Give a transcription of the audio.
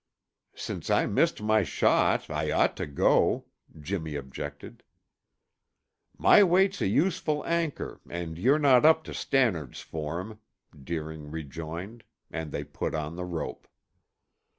"Since I missed my shot, I ought to go," Jimmy objected. "My weight's a useful anchor and you're not up to Stannard's form," Deering rejoined and they put on the rope.